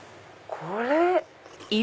これ。